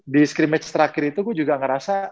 di scrimmage terakhir itu gue juga ngerasa